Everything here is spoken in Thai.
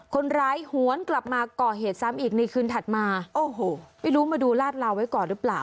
หวนกลับมาก่อเหตุซ้ำอีกในคืนถัดมาโอ้โหไม่รู้มาดูลาดลาวไว้ก่อนหรือเปล่า